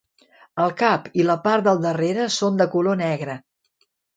El cap i la part del darrere són de color negre.